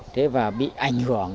thế và bị ảnh hưởng